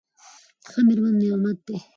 ښه مېرمن نعمت دی.